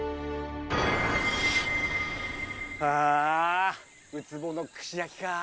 あウツボの串焼きか。